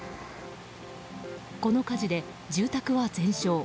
この火事で住宅は全焼。